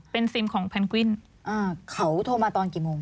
เป็นซิมของแพนกวิ้น